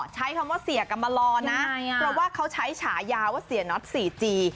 ใช้คำว่าเสียกรรมลอนะเพราะว่าเขาใช้ฉายาว่าเสียน็อตสี่จี